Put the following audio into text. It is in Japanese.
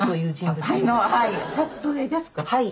はい。